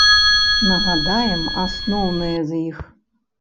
Нагадаем, асноўныя з іх.